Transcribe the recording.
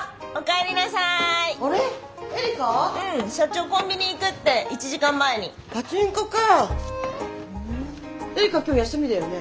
えりか今日休みだよね？